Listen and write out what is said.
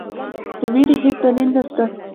د وېرې هیڅ دلیل نسته.